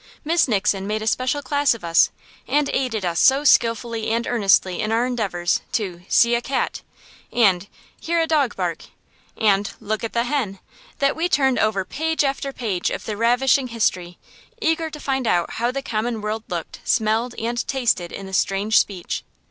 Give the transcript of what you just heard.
Miss Nixon made a special class of us, and aided us so skilfully and earnestly in our endeavors to "see a cat," and "hear a dog bark," and "look at the hen," that we turned over page after page of the ravishing history, eager to find out how the common world looked, smelled, and tasted in the strange speech.